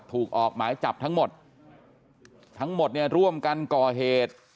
ออกหมายจับทั้งหมดทั้งหมดเนี่ยร่วมกันก่อเหตุ